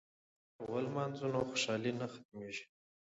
که اختر ولمانځو نو خوشحالي نه ختمیږي.